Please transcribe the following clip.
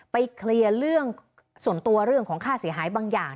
เคลียร์เรื่องส่วนตัวเรื่องของค่าเสียหายบางอย่าง